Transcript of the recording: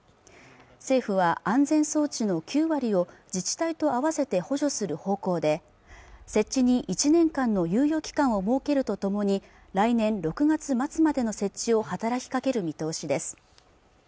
政府は安全装置の９割を自治体と合わせて補助する方向で設置に１年間の猶予期間を設けるとともに来年６月末までの設置を働きかける見通しです